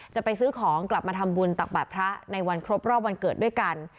จะไปซื้อของกลับมาทำบุญตักบาทพระในวันครบรอบวันเกิดด้วยกัน